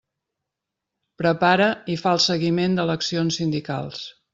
Prepara i fa el seguiment d'eleccions sindicals.